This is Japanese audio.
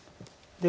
で。